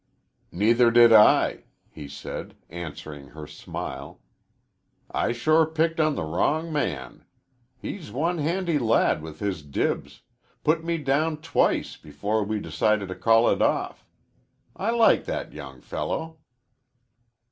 "Neither did I," he said, answering her smile. "I sure picked on the wrong man. He's one handy lad with his dibs put me down twice before we decided to call it off. I like that young fellow."